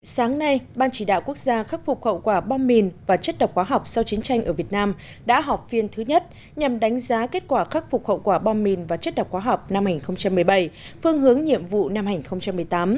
sáng nay ban chỉ đạo quốc gia khắc phục khẩu quả bom mìn và chất độc hóa học sau chiến tranh ở việt nam đã họp phiên thứ nhất nhằm đánh giá kết quả khắc phục hậu quả bom mìn và chất độc hóa học năm hai nghìn một mươi bảy phương hướng nhiệm vụ năm hai nghìn một mươi tám